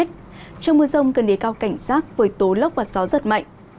trong mưa rông cần đế cao cảnh rác với tố lốc và gió rất mạnh